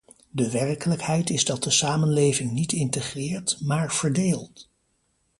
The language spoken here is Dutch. De werkelijkheid is dat de samenleving niet integreert, maar verdeelt.